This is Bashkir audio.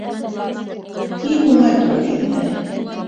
Бик уңай тура килдең әле.